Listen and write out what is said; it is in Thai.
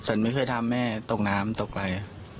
สัญญาไม่เคยทำแม่ตกน้ำตกไป